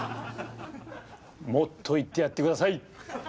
もっと言ってやってください。